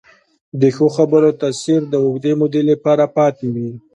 د ښو خبرو تاثیر د اوږدې مودې لپاره پاتې وي.